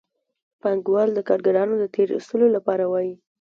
پانګوال د کارګرانو د تېر ایستلو لپاره وايي